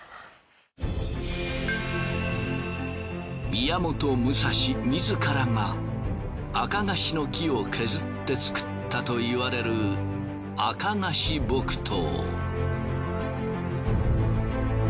宮本武蔵自らが赤樫の木を削って作ったといわれる赤樫木刀。